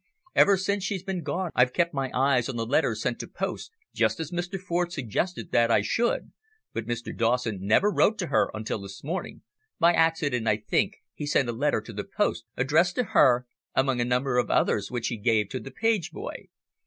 Ever since she's been gone I've kept my eyes on the letters sent to post, just as Mr. Ford suggested that I should, but Mr. Dawson never wrote to her until this morning, by accident I think, he sent a letter to the post addressed to her, among a number of others which he gave to the page boy.